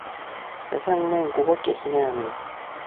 แต่ช่างแม่มก็กรูเกลียดขี้หน้ามึม